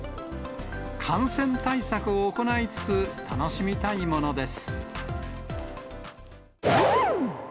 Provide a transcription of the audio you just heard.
感染対策を行いつつ、楽しみたいものです。